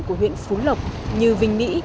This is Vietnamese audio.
của huyện phú lộc như vinh mỹ